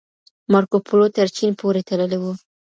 مارکوپولو تر چين پورې تللی و.